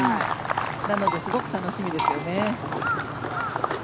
なので、すごく楽しみですよね。